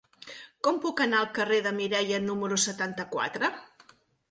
Com puc anar al carrer de Mireia número setanta-quatre?